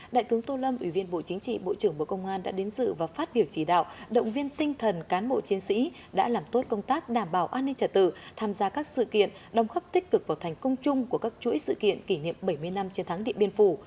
đại tướng tô lâm ủy viên bộ chính trị bộ trưởng bộ công an đã đến dự và phát biểu chỉ đạo động viên tinh thần cán bộ chiến sĩ đã làm tốt công tác đảm bảo an ninh trả tự tham gia các sự kiện đồng khắp tích cực vào thành công chung của các chuỗi sự kiện kỷ niệm bảy mươi năm chiến thắng địa biên phủ